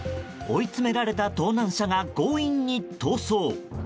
追い詰められた盗難車が強引に逃走。